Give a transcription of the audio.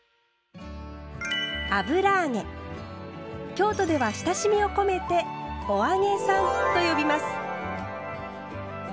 京都では親しみを込めて「お揚げさん」と呼びます。